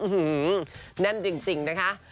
อื้อหือนั่นจริงนะคะ